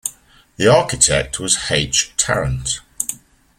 The architect was H. Tarrant.